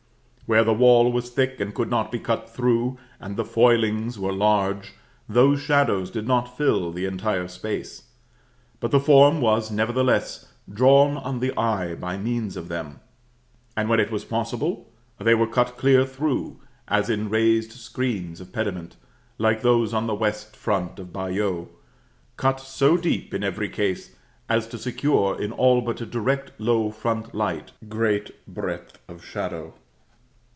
Where the wall was thick and could not be cut through, and the foilings were large, those shadows did not fill the entire space; but the form was, nevertheless, drawn on the eye by means of them, and when it was possible, they were cut clear through, as in raised screens of pediment, like those on the west front of Bayeux; cut so deep in every case, as to secure, in all but a direct low front light, great breadth of shadow.